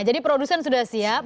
jadi produsen sudah siap